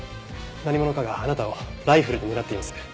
何者かがあなたをライフルで狙っています。